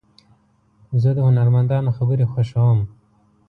زه د هنرمندانو خبرې خوښوم.